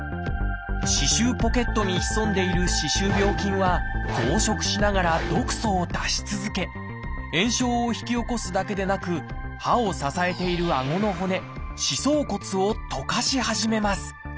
歯周ポケットに潜んでいる歯周病菌は増殖しながら毒素を出し続け炎症を引き起こすだけでなく歯を支えているあごの骨「歯槽骨」を溶かし始めます。